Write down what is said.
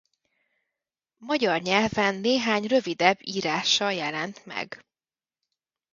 Magyar nyelven néhány rövidebb írása jelent meg.